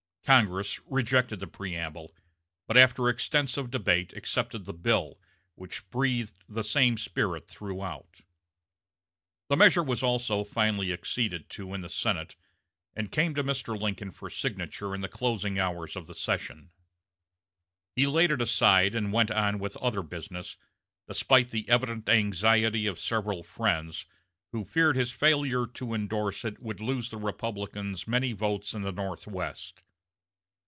Congress rejected the preamble, but after extensive debate accepted the bill, which breathed the same spirit throughout. The measure was also finally acceded to in the Senate, and came to Mr. Lincoln for signature in the closing hours of the session. He laid it aside and went on with other business, despite the evident anxiety of several friends, who feared his failure to indorse it would lose the Republicans many votes in the Northwest.